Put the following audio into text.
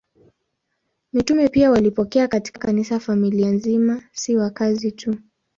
Mitume pia walipokea katika Kanisa familia nzima, si wazazi tu.